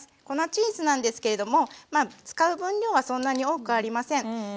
粉チーズなんですけれども使う分量はそんなに多くありません。